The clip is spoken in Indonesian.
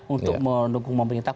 untuk mendukung pemerintah